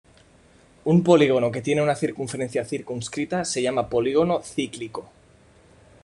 Un polígono que tiene una circunferencia circunscrita se llama polígono cíclico.